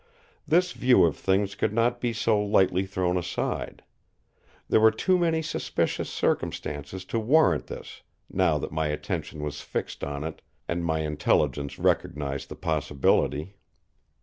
This view of things could not be so lightly thrown aside. There were too many suspicious circumstances to warrant this, now that my attention was fixed on it and my intelligence recognised the possibility.